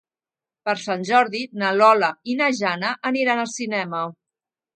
Per Sant Jordi na Lola i na Jana aniran al cinema.